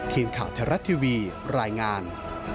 ครีมขาวธรรมดาทีวีรายงาน